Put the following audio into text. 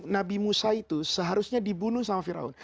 nabi musa itu seharusnya dibunuh sama fir'aun